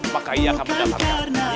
menjaga kekuatan kita